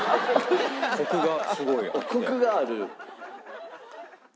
コクがある。